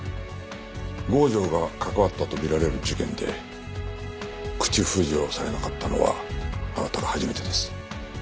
郷城が関わったとみられる事件で口封じをされなかったのはあなたが初めてです。